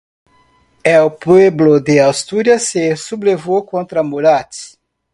El pueblo de Asturias se sublevó contra Murat.